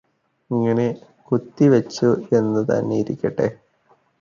ഇങ്ങനെ കുത്തിവെച്ചു എന്നു തന്നെ ഇരിക്കട്ടെ